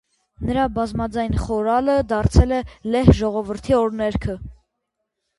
Նրա բազմաձայն խորալը դարձել է լեհ ժողովրդի օրհներգը։